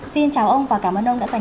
xin chào ông và cảm ơn ông đã dành